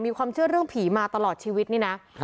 มีความเชื่อเรื่องผีมาตลอดชีวิตนี่นะ